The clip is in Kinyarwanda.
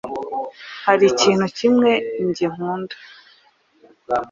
hari ikintu kimwe njye nkunda